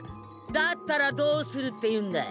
だったらどうするっていうんだい！？